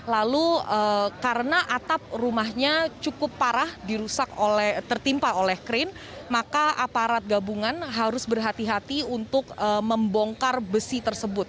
lalu karena atap rumahnya cukup parah dirusak tertimpa oleh krin maka aparat gabungan harus berhati hati untuk membongkar besi tersebut